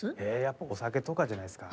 お酒とかじゃないですか？